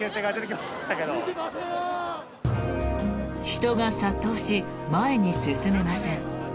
人が殺到し前に進めません。